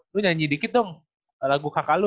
lu nyanyi dikit dong lagu kakak lu